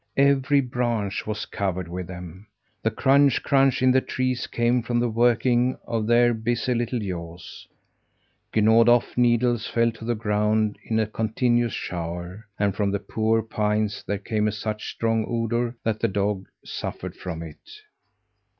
Every branch was covered with them. The crunch, crunch in the trees came from the working of their busy little jaws. Gnawed off needles fell to the ground in a continuous shower, and from the poor pines there came such a strong odour that the dog suffered from it.